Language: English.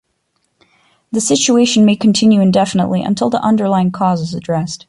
The situation may continue indefinitely until the underlying cause is addressed.